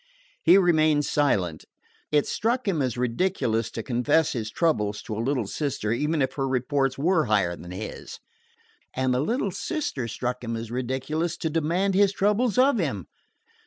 He remained silent. It struck him as ridiculous to confess his troubles to a little sister, even if her reports were higher than his. And the little sister struck him as ridiculous to demand his troubles of him.